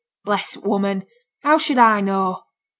'Bless t' woman! how should I know?'